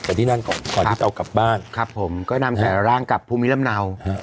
แต่ที่นั่นก่อนก่อนที่จะเอากลับบ้านครับผมก็นำแต่ร่างกับภูมิลำเนา